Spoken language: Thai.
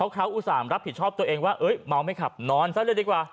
เขาอุตส่าห์รับผิดชอบตัวเองว่าเมาไม่ขับนอนซะเลยดีกว่า